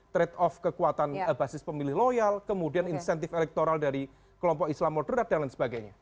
trade off kekuatan basis pemilih loyal kemudian insentif elektoral dari kelompok islam moderat dan lain sebagainya